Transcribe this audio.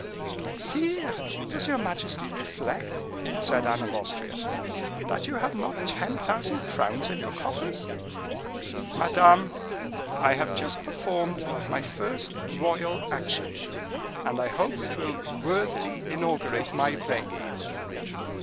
"But, sire, does your majesty reflect," said Anne of Austria, "that you have not ten thousand crowns in your coffers?" "Madame, I have just performed my first royal action, and I hope it will worthily inaugurate my reign."